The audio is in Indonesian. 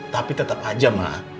tapi tetap aja mak